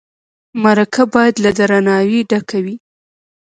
مرکه باید له درناوي ډکه وي.